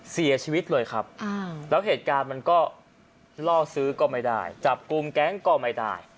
เสียชีวิตเลยครับแล้วเหตุการณ์มันก็ล่อซื้อก็ไม่ได้จับกลุ่มแก๊งก็ไม่ได้